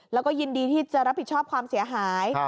แล้วก็ยินดีที่จะรับผิดชอบความเสียหาย